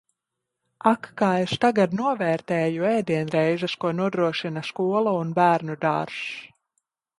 Ak, kā es tagad novērtēju ēdienreizes, ko nodrošina skola un bērnudārzs!